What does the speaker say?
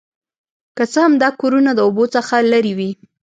که څه هم دا کورونه د اوبو څخه لرې وي